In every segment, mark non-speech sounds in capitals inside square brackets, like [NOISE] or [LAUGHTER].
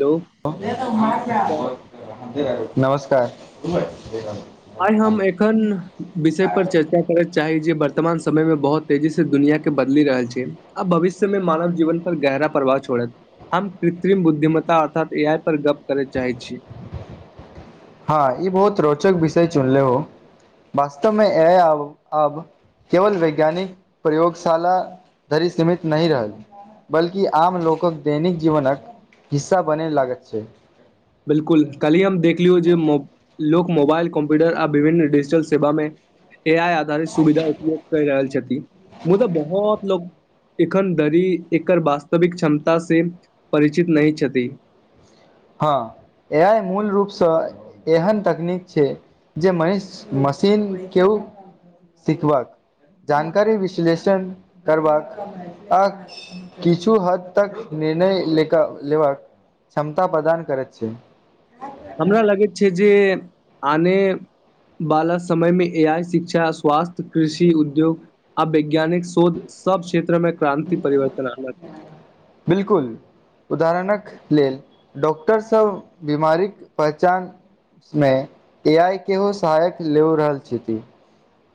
Hello अच्छा। नमस्कार। आइ हम एखन विषय पर चर्चा कर के चाही जे वर्तमान समय मे बहुत तेजी से दुनिया के बदलि रहल छै। आब भविष्य में मानव जीवन पर गहरा प्रभाव छोड़त। हम कृत्रिम बुद्धिमता अर्थात ए आई पर गप करय चाहे छी। हँ ई बहुत रोचक विषय चुनले हो वास्तव मे ए आब आब केवल वैज्ञानिक प्रयोगशाला धरि सीमित नहि रहल। बल्कि आम लोकक दैनिक जीवनक हिस्सा बनय लागत छै। बिलकुल कली हम देखलियौ जे लोक मोबाइल कम्प्यूटर आ विभिन्न डिजिटल सेवा मे ए आ आधारित सुविधा उपयोग कर रहल ह तऽ बहुत लोक एखन धरी एकर वास्तविक क्षमतँ परिचित नहि छथि। हँ ए आय मूल रूपसँ एहन तकनीक छै जे म मशीन के सिखबाक जानकारी विश्लेषण करबाक आ किछु हद तक निर्णय लेबाक क्षमता प्रदान करैत छै। हमरा लगैत छै जे आने बालक समय मे ए आइ शिक्षा स्वास्थ कृषि उद्योग आब वैज्ञानिक शोध सब क्षेत्र में क्रानं्ति परिवर्तन आनलक। बिल्कुल। उदाहरणक लेल डॉक्टरसभ बीमारीक पहचान उमे ए आई के सहायक ले रहल छथि।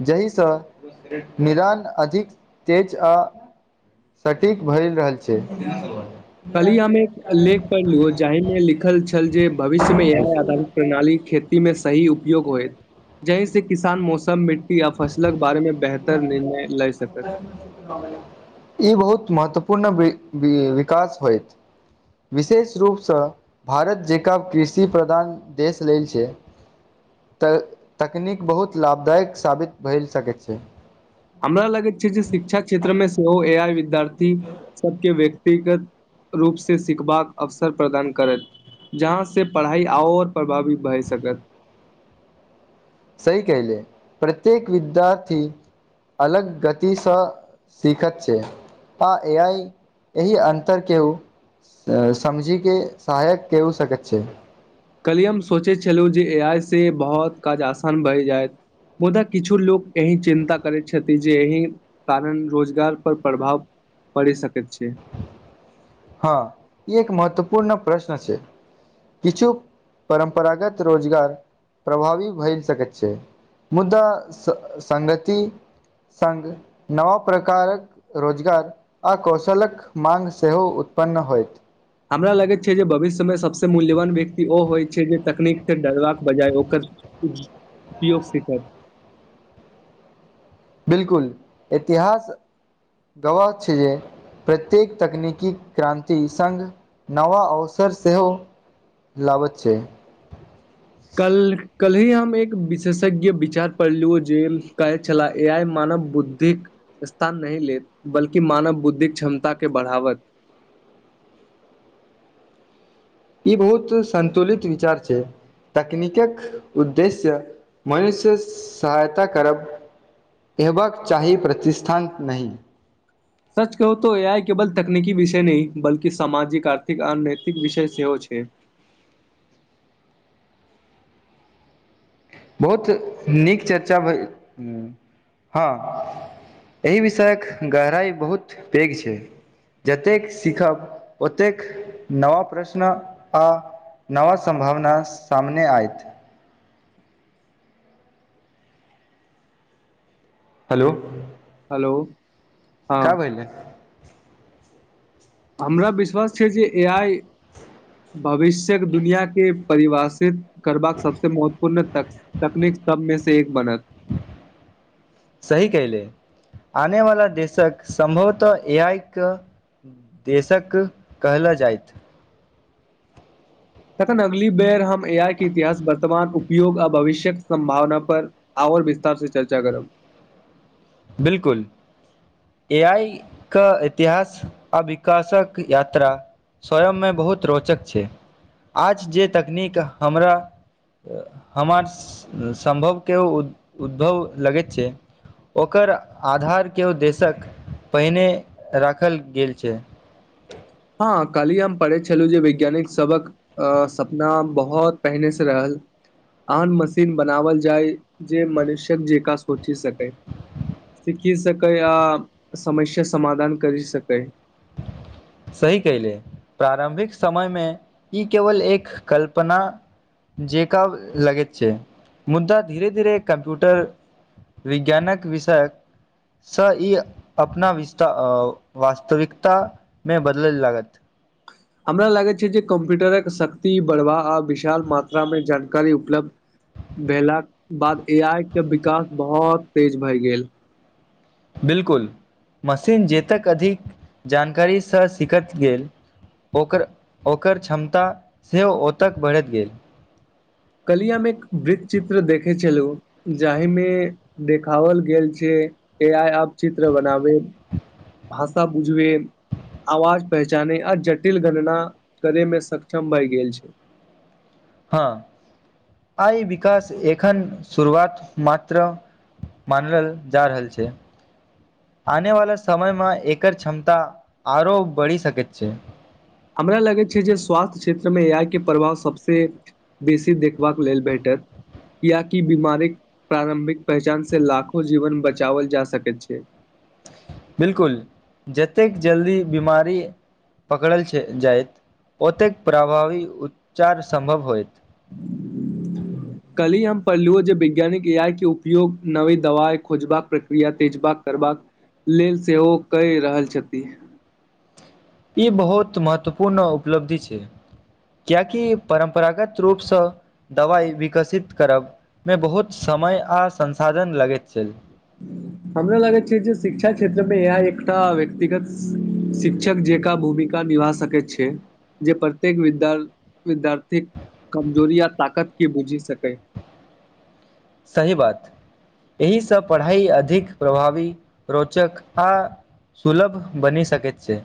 जाहिसँ निदान अधिक तेज आ सटीक भए रहल छैय। कली हम एक लेख पढ़लु जाहि में लिखल छल जे भविष्य में इह आधारित प्रणाली खेती मे सही उपयोग होय जहि से किसान मौसम मिटी या फसलक बारेमे बेहतर निर्णय लए सकत। ई बहुत महत्वपूर्ण विकास होइत। विशेष रूपसँ भारत जेकरा कृषि प्रधान देश लेल छै। तऽ तकनीक बहुत लाभदायक साबित भेएल सकैत छै। हमरा लगैत छै जे शिक्षा क्षेत्र मे सेहो ए आइ विद्यार्थी सबके व्यक्तिगत रूपसँ सिखबाक अवसर प्रदान करत्त। जहाँ से पढ़ाइ आओर प्रभावित भए सकत। सहि कहि ले प्रत्येक विद्यार्थी अलग गतिसँ सीखैत छै। आ ए आइ एहि अन्तर केओ समझी के सहायक केओ सकैत छै। कल्हिए हम सोचै छलहुँ जे ए आइ से बहुत काज आसान बहि जाय मुदा किछु लोक एहि चिन्ता करैत छथि जे एहि कारण रोजगार पर प्रभाव पड़ि सकैत छै। हँ ई एक महत्वपूर्ण प्रश्न छै। किछु परम्परागत रोजगार प्रभावी भऽ सकैत छै। मुदा संगति सङ्ग नव प्रकारक रोजगार आ कौशलक मांग सेहो उत्पन्न होयत। हमरा लगैत छै जे भविष्यमे सबसँ मूल्यवान व्यक्ति ओ होइत छै जे तकनीक से डरबाक बजाय ओकर उपयोग सिखत। बिलकुल इतिहास गवाह छै जे प्रत्येक तकनीकी क्रान्ति सङ्ग नवा अवसर सेहो लाबच छै। कल कल ही हम एक विशेषज्ञ विचार पढ़लु जे कहे छला ए आइ मानव बुद्धिक स्थान नहि लेत बल्कि मानव बुद्धिक क्षमता के बढ़ावत। ई बहुत संतुलित विचार छै। तकनीकके उद्देश्य मनुष्य सहायता करब अयबाक चाही प्रतिष्ठान नहि। सच कहू त ए आई केवल तकनीकी विषय न बल्कि सामाजिक आर्थिक आ नैतिक विषय सेहो छै। बहुत नीक चर्चा भेल हँ। एहि विषयक गहराइ बहुत पैघ छै। जतेक सीखब ओतेक नवा प्रश्न आ नवा संभावना सामने आयत। हेलो हेलो हँ कब अलै? हमरा विश्वास छै जे ए आइ भविष्यक दुनिया के परिभाषित करबाक सबस महत्वपूर्ण त तकनीक सबमे से एक बनत। सही कले आनेवाला देशक सम्भवतः ए आइ के देशक कहल जाइत। तखन अगली बेर हम ए आई के इतिहास वर्तमान उपयोग आ भविष्यक सम्भावना पर आओर विस्तार से चर्चा करब। बिलकुल। ए आइ कऽ इतिहास आ विकासक यात्रा स्वयंमे बहुत रोचक छै। आज जे तकनीक हमरा हमर सम्भव केओ उद्भव लगैत छै ओकर आधार के उद्येसक पहिने राखल गेल छै। हँ काली हम पढ़ै छलु जे वैज्ञानिक सबक अ सपना बहुत पहिने से रहल आन मशीन बनावल जाय जे मनुष्यक जेका सोचि सकै। सीखि सकै आओ समस्या समाधान करि सकै। सही कैले प्रारम्भिक समय मे ई केवल एक कल्पना जेकब लगैत छै। मुद्दा धीरे-धीरे कम्प्यूटर विज्ञानक विषयक सँ ई अपना विस्तार वास्तविकतामे बदलय लागत। हमरा लागे छै जे कम्प्यूटरक शक्ति बढ़वा आ विशाल मात्रा में जानकारी उपलब्ध भेलाक बाद ए आई के विकास बहुत तेज भए गेल। बिल्कुल मशीन जेतक अधिक जानकारीसँ सीखैत गेल ओ ओकर क्षमता सेहो ओतक बढ़ैत गेल। कलि हम एक वृत चित्र देखै छलु जाहिमे देखाओल गेल छै ए आइ आप चित्र बनाबे भाषा बुझबे आवाज पहचाने आ जटिल गणना करे मे सक्षम भए गेल छै। हँ आई विकास एखन शुरुआत मात्र मानल जा रहल छै। आने वला समयमे एकर क्षमता आरो बढ़ी सके छै। हमरा लगैत छै जे स्वास्थ्य क्षेत्रमे ऐ आई के प्रभाव सभसँ बेसी देखबाक लेल भेटत। कियाकि बीमारीक प्रारम्भिक पहचान से लाखो जीवन बचाओल जा सकैत छै। बिलकुल जतेक जल्दी बीमारी पकड़ल छै जाइत ओतेक प्रभावी उपचार सम्भव होयत। [INAUDIBLE] कल्हि हम पढ़लूओ जे वैज्ञानिक ए आई के उपयोग नवी दवाइ खोजबाक प्रक्रिया तेज बाक करबाक लेल सेहो कए रहल छथि। ई बहुत महत्वपूर्ण उपलब्धि छै। किएकि परम्परागत रूपसँ दवाइ विकसित करब मे बहुत समय आ संसाधन लगैत छल। हमरा लागे छै जे शिक्षा क्षेत्र में एक आइ एकटा व्यक्तिगत शिक्षक जेकां भूमिका निभा सक कै छै जे प्रत्येक विद्या विद्यार्थीक कमजोरी आ ताकत के बुझि सकै। सही बात एहिसँ पढ़ाइ अधिक प्रभावी रोचक आ सुलभ बनि सकैत छै।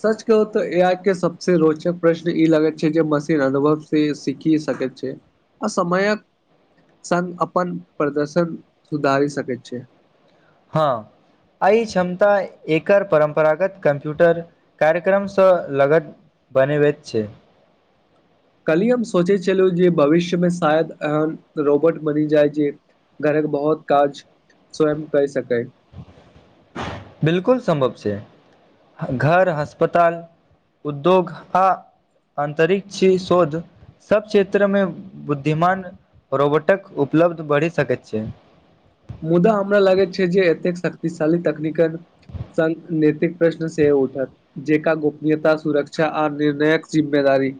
सच कहू तऽ ए आइ के सबसे रोचक प्रश्न ई लगैत छै जे मशीन अनुभव से सीखि सकैत छै। आ समयक संघ अपन प्रदर्शन सुधारी सकैत छै। हँ आ ई क्षमता एकर परम्परागत कम्प्यूटर कार्यक्रमसँ लगत बनेबैत छै। कली हम सोचै छलहु जे भविष्यमे शायद एहन रोबोट बनि जाइ जे घरक बहुत काज स्वयं कै सकैत। बिलकुल संभव छै घर अस्पताल उद्योग आ अंतरिक्ष शोध सब क्षेत्र मे बुद्धिमान रोबोटक उपलब्ध बढ़ि सकैत छै। मुदा हमरा लागै छै जे एतेक शक्तिशाली तकनीकक संत नतिक प्रश्न सेहो उठत। जेका गोपनीयता सुरक्षा आर निर्णायक जिम्मेदारी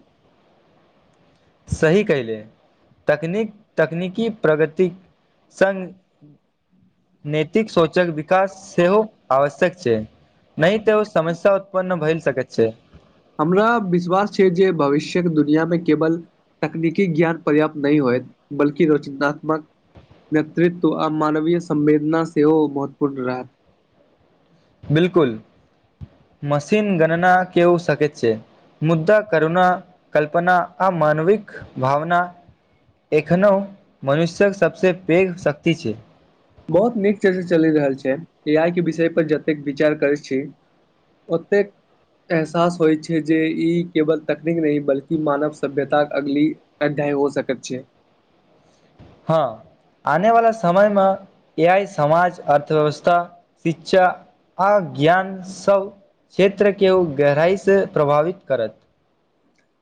सही कहैले तकनीक तकनीकी प्रगतिक संग नैतिक सोचक विकास सेहो आवश्यक छै। नै त ओ समस्या उत्पन्न भै सकैत छै। हमरा विश्वास छै जे भविष्यक दुनिआँमे केवल तकनीकी ज्ञान पर्याप्त नहि होयत बल्कि रचनात्मक नेतृत्व आ मानवीय संवेदना सेहो महत्वपूर्ण रहत। बिलकुल मशीन गणना केओ सकेत छै। मुदा करुण कल्पना आ मानविक भावना एखनहूँ मनुष्यक सभसँ पैघ शक्ति छै बहुत नीकसे चलि रहल छै ए आइके विषय पर जतेक विचार करैत छी ओतेक एहसास होइ छै जे इ केवल तकनीक नहि बल्कि मानव सभ्यताक अगली अध्याय हो सकैत छैै हाँ आने वाला समयमे एआइ समाज अर्थव्यवस्था शिक्षा आ ज्ञान सब क्षेत्रके ओ गहराइसँ प्रभावित करत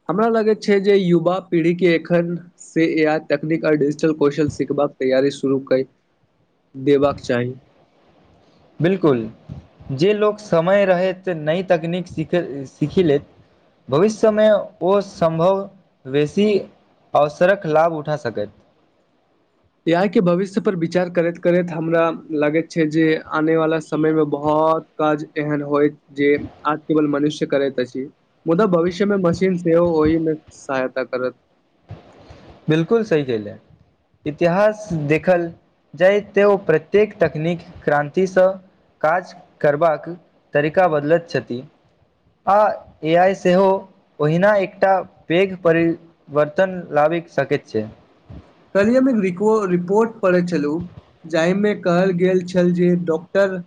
हमरा लगैत छै जे युवा पीढ़ीके एखन से एआइ एतकनीक आ डिजिटल कौशल सिखबाक तैयारी शुरूकै देबाक चाही बिल्कुल जे लोक समय रहैत नई तकनीक सिख सीख लेैत भविष्यमे ओ सम्भव बेसी अबसरक लाभ उठा सकैथ ए आइके भविष्य पर विचार करैत करैत हमरा लगैत छै जे आने वाला समयमे बहुत काज एहन होइत जे आज केवल मनुष्य करैत अछि मुदा भविष्यमे मशीन सेहो ओहिमे सहायता करत बिल्कुल सही कहैले इतिहास देखल जाइ ते ओ प्रत्येक तकनीक क्रान्तिसँ काज करबाक तरीका बदलैत छथि हाँ एआइ सेहो ओहिना एकटा पैघ परिवर्तन लाबि सकैत छै काल्हि हम रिकोड रिपोर्ट पढ़ै छलहूँ जाहिमे कहल गेल छैल जे डॉक्टर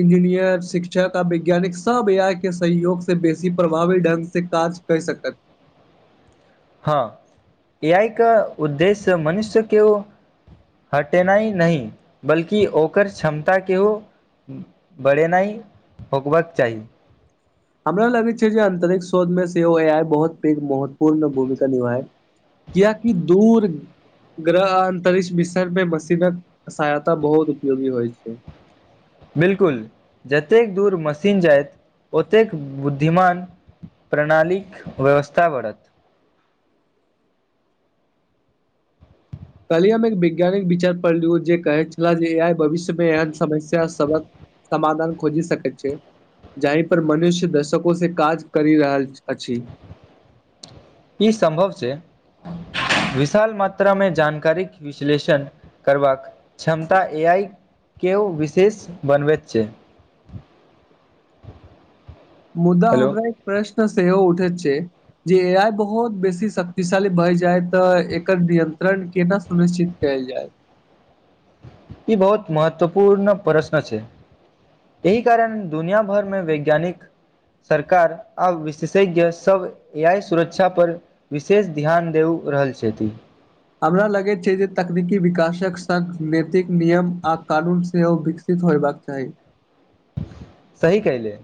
इंजीनियर शिक्षक आ वैज्ञानिक सब एआइके सहयोग सऽ बेसी प्रभावी ढंग से काज करि सकैत हाँ एआइके उद्देश्य मनुष्यके ओ हटेनाइ नहि बल्कि ओकर क्षमताके ओ बढ़ेनाइ होकबाक चाही हमरा लगै छै जे अंतरिक शोधमे सेहो एआई बहुत पैघ महत्वपूर्ण भूमिका निभाएत कियाकि दूर ग्रह आ अंतरिक्ष मिशनपे मशीन सहायता बहुत उपयोगी होइ छै बिल्कुल जतेक दूर मशीन जाइत ओतेक बुद्धिमान प्रणालीक व्यवस्था बढ़त काल्हि हम एक वैज्ञानिक विचार पढ़लूँजे कहैत छलाह जे एआइ भविष्यमे एहन समस्या सबक समधान खोजी सकै छै जाहि पर मनुष्य दर्शकों से काज करि रहल अछि ई सम्भव छै विशाल मात्रामे जानकारीक विश्लेषण करबाक क्षमता एआइके ओ विशेष बनबैत छै मुदा हेलो हमरा एक प्रश्न सेहो उठे छै जे एआइ बहुत बेसी शक्तिशाली भय जाएत तऽ एकर नियन्त्रण केना सुनिश्चित कैएल जाएत ई बहुत महत्वपूर्ण प्रश्न छै एहि कारण दुनिया भर में वैज्ञानिक सरकार आब विशेषज्ञ सब ए आइ सुरक्षा पर विशेष ध्यान देउ रहल छथि हमरा लगैत छै जे तकनीकी विकासक संग नैतिक नियम आ कानून सेहो विकसि सित होयबाक चाही सही कहले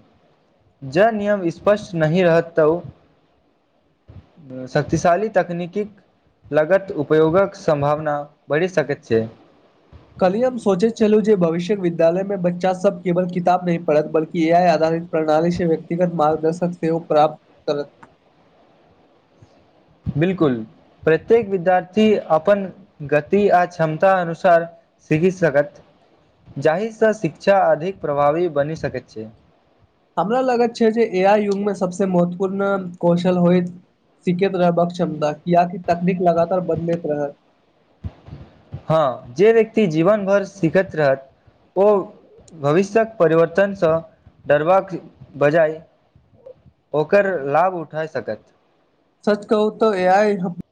जँ नियम स्पष्ट नहि रहतौ शक्तिशाली तकनीकीक लगत उपयोगक सम्भावना बढ़ि सकैत छै काल्हि हम सोचे छलहुँ जे भविष्य विद्यालय में बच्चा सब केवल किताब नहि पढ़त बल्कि ए आइ आधारित प्रणाली से व्यकिगत मार्गदर्शक सेहो प्राप्त करत बिलकुल प्रत्येक विद्यार्थी अपन गति आ क्षमता अनुसार सीखि सकत जाहि सँ शिक्षा अधिक प्रभावी बनि सकैत छै हमरा लगत छै जे ए आइ युग में सबस महत्वपूर्ण कौशल होइत सिखैत रहबाक क्षमता कियाकि तकनीक लगातार बदलैत रहत हँ जे व्यक्ति जीवन भर सिखैत रहत ओ भविष्य्यक परिवर्तन सँ डरबाक बजाय ओकर लाभ उठाय सकत सच कहू तऽ ए आइ